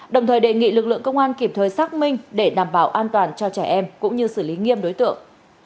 đồng thời đề nghị lực lượng công an kịp thời xác minh để đảm bảo an toàn cho trẻ em cũng như xử lý nghiêm đối tượng